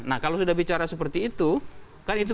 nah kalau sudah bicara seperti itu